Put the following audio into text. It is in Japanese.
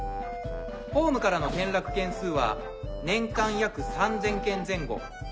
ホームからの転落件数は年間約３０００件前後。